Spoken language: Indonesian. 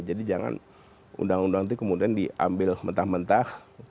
jangan undang undang itu kemudian diambil mentah mentah